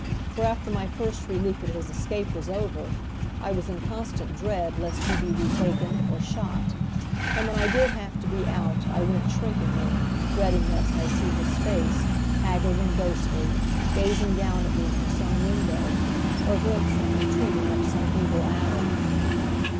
For after my first relief at his escape was over, I was in constant dread lest he be retaken or shot; and when I did have to be out I went shrinkingly, dreading lest I see his face, haggard and ghostly, gazing down at me from some window, or glimpse him retreating up some evil alley.